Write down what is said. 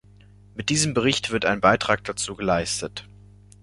Mit diesem Bericht wird ein Beitrag dazu geleistet.